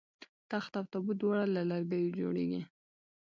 تخت او تابوت دواړه له لرګیو جوړیږي